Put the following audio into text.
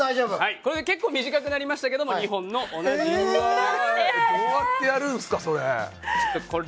これで結構短くなりましたけど２本の同どうやってやるんですかそれ。